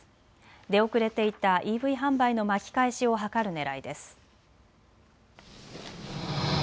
出遅れていたＥＶ販売の巻き返しを図るねらいです。